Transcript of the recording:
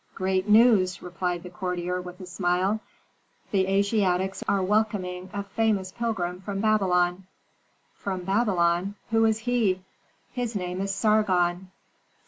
"Great news!" replied the courtier, with a smile. "The Asiatics are welcoming a famous pilgrim from Babylon." "From Babylon? Who is he?" "His name is Sargon."